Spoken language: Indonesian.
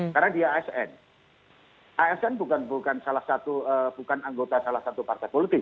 karena dia asn asn bukan anggota salah satu partai politik